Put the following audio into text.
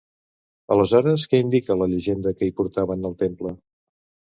Aleshores, què indica la llegenda que hi portaven al temple?